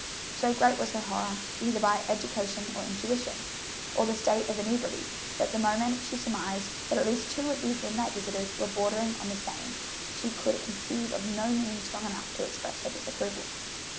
So great was her horror, either by education or intuition, of the state of inebriety, that the moment she surmised that at least two of these midnight visitors were bordering on the same, she could conceive of no means strong enough to express her disapproval.